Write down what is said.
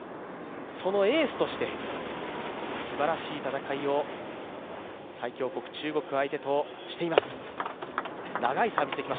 そのエースとして、すばらしい戦いを最強国・中国相手としています。